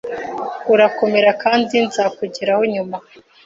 Urakomeza kandi nzakugeraho nyuma.